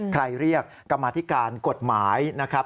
เรียกกรรมาธิการกฎหมายนะครับ